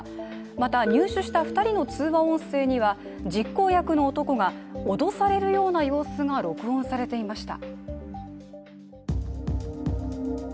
また入手した２人の通話音声には実行役の男が脅されるような様子が録音されていました。